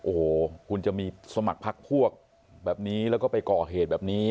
โอ้โหคุณจะมีสมัครพักพวกแบบนี้แล้วก็ไปก่อเหตุแบบนี้